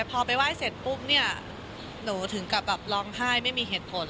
พอไปไหว้เสร็จปุ๊บเนี่ยหนูถึงกับแบบร้องไห้ไม่มีเหตุผล